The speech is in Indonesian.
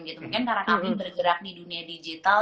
mungkin karena kami bergerak di dunia digital